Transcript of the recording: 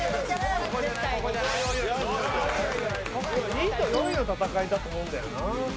２位と４位の戦いだと思うんだよな。